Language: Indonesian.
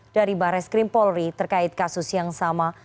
dari baris krimpolri terkait kasus yang sama